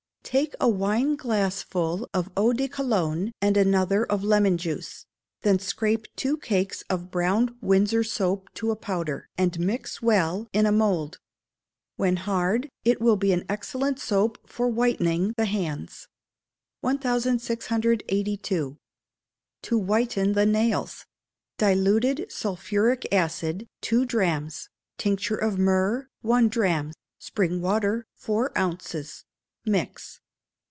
Take a wineglassful of eau de Cologne, and another of lemon juice; then scrape two cakes of brown windsor soap to a powder, and mix well in a mould. When hard, it will be an excellent soap for whitening the hands. 1682 To Whiten the Nails. Diluted sulphuric acid, two drachms; tincture of myrrh, one drachm; spring water, four ounces: mix.